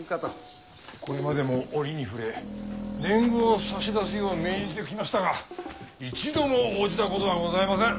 これまでも折に触れ年貢を差し出すよう命じてきましたが一度も応じたことがございません。